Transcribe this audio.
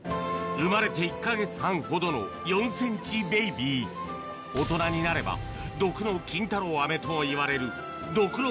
生まれて１か月半ほどの４ｃｍベビー大人になれば毒の金太郎飴ともいわれるどくろ